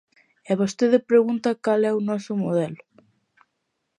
E vostede pregunta cal é o noso modelo.